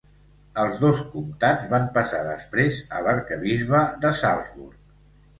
Els dos comtats van passar després a l'arquebisbe de Salzburg.